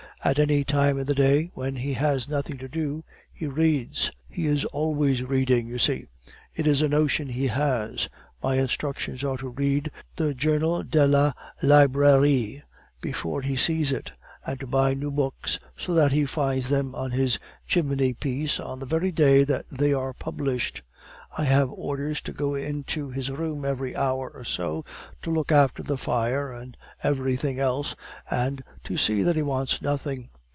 At any time in the day when he has nothing to do, he reads he is always reading, you see it is a notion he has. My instructions are to read the Journal de la Librairie before he sees it, and to buy new books, so that he finds them on his chimney piece on the very day that they are published. I have orders to go into his room every hour or so, to look after the fire and everything else, and to see that he wants nothing.